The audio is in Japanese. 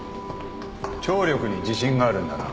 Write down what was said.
聴力に自信があるんだな？